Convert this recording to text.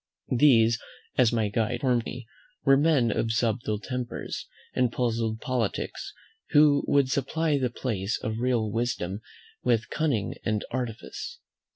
These, as my guide informed me, were men of subtle tempers, and puzzled politics, who would supply the place of real wisdom with cunning and artifice.